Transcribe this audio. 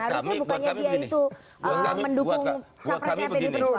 harusnya bukannya dia itu mendukung capresnya pd perjuangan